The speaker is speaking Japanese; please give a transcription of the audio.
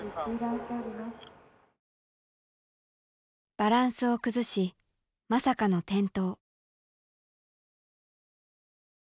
バランスを崩しまさかの転倒。